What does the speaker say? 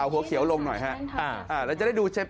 สวัสดีค่ะตกใจกบ